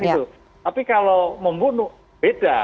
tapi kalau membunuh beda